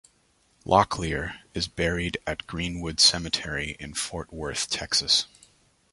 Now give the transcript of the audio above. Locklear is buried at Greenwood Cemetery in Fort Worth, Texas.